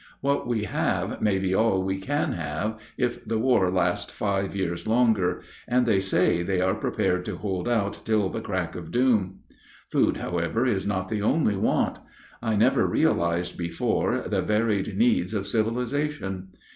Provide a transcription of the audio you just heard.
What we have may be all we can have, if the war lasts five years longer; and they say they are prepared to hold out till the crack of doom. Food, however, is not the only want. I never realized before the varied needs of civilization.